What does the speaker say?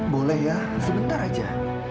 boleh ya sebentar aja